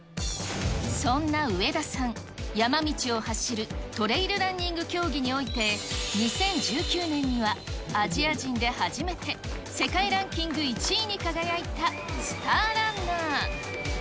そんな上田さん、山道を走るトレイルランニング競技において、２０１９年にはアジア人で初めて世界ランキング１位に輝いたスターランナー。